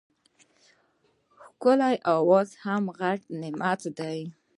ښکلی اواز هم غټ نعمت دی.